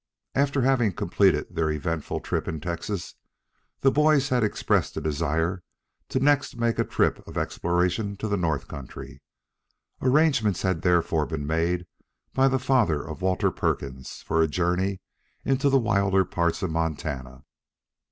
After having completed their eventful trip in Texas, the boys had expressed a desire to next make a trip of exploration to the north country. Arrangements had therefore been made by the father of Walter Perkins for a journey into the wilder parts of Montana.